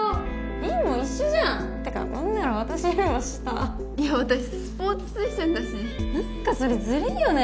凛も一緒じゃんってか何なら私よりも下いや私スポーツ推薦だし何かそれずるいよね